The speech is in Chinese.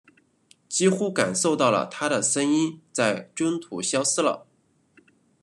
几乎感受到她的声音在中途消失了。